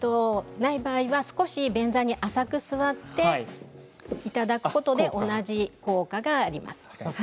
ない場合は便座に浅く座っていただくことで同じ効果があります。